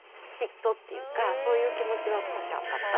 っていうかそういう気持ちは少しあったのかな？